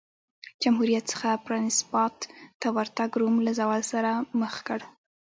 جمهوریت څخه پرنسیپات ته ورتګ روم له زوال سره مخ کړ